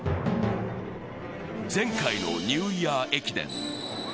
前回のニューイヤー駅伝